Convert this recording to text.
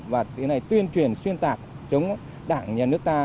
và tuyên truyền xuyên tạc chống đảng nhà nước ta